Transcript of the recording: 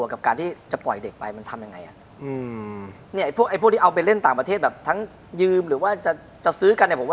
อย่างกับการที่จะปล่อยเด็กไปมันทำยังไงอ่ะนี่พวกพี่เอาไปเล่นต่างประเทศแบบทั้งยืมหรือว่าจะซื้อกัน